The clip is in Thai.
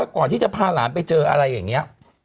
ก่อนที่จะพาหลานไปเจออะไรอย่างนี้